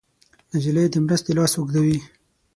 نجلۍ د مرستې لاس اوږدوي.